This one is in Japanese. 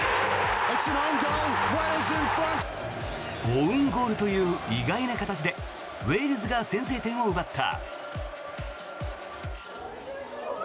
オウンゴールという意外な形でウェールズが先制点を奪った。